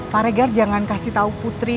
pak regar jangan kasih tahu putri